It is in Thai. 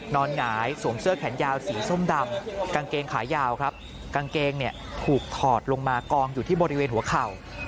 หงายสวมเสื้อแขนยาวสีส้มดำกางเกงขายาวครับกางเกงเนี่ยถูกถอดลงมากองอยู่ที่บริเวณหัวเข่า